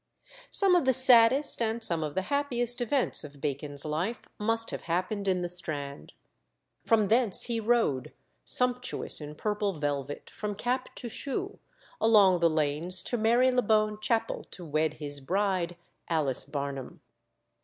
Some of the saddest and some of the happiest events of Bacon's life must have happened in the Strand. From thence he rode, sumptuous in purple velvet from cap to shoe, along the lanes to Marylebone Chapel, to wed his bride Alice Barnham.